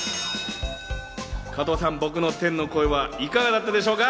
加藤さん、僕の天の声はいかがだったでしょうか？